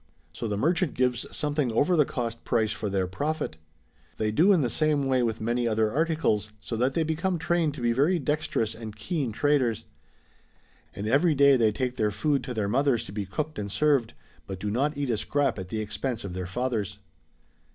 So the merchant gives something over the cost price for their profit. They do in the same way with many other articles, so that they become trained to be very dex terous and keen traders. And every day they take their food to their mothers to be cooked and served, but do not eat a scrap at the expense of their fathers.